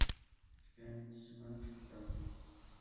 En SmackDown!